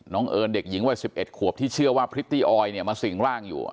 เอิญเด็กหญิงวัย๑๑ขวบที่เชื่อว่าพริตตี้ออยเนี่ยมาสิ่งร่างอยู่